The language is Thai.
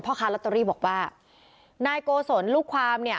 ค้าลอตเตอรี่บอกว่านายโกศลลูกความเนี่ย